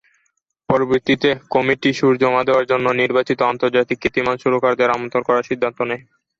পরবর্তীতে কমিটি সুর জমা দেওয়ার জন্য নির্বাচিত আন্তর্জাতিক খ্যাতিমান সুরকারদের আমন্ত্রণ করার সিদ্ধান্ত নেয়।